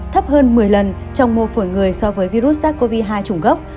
thấp hơn một mươi lần trong mô phổi người so với virus sars cov hai chủng gốc